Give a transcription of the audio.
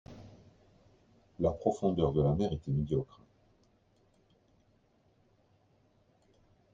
La profondeur de la mer était médiocre.